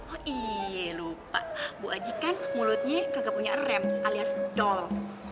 oh iya lupa bu aji kan mulutnya kagak punya rem alias doll